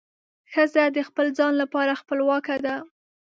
ښځه د خپل ځان لپاره خپلواکه ده.